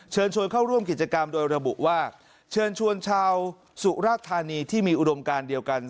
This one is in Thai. เชิญชวนเข้าร่วมกิจกรรมโดยระบุว่าเชิญชวนชาวสุราธานีที่มีอุดมการเดียวกัน